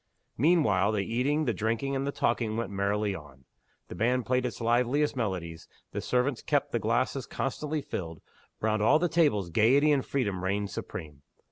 Meanwhile the eating, the drinking, and the talking went merrily on. The band played its liveliest melodies; the servants kept the glasses constantly filled: round all the tables gayety and freedom reigned supreme.